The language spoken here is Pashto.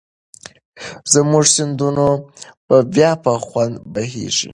زموږ سیندونه به بیا په خوند بهېږي.